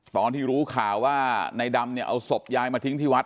ตอนที่รู้ข่าวว่าในดำเนี่ยเอาศพยายมาทิ้งที่วัด